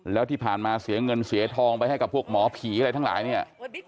แล้วที่ผ่านมาเสียเงินเสียทองไปให้กับพวกหมอผีอะไรทั้งหลายเนี่ย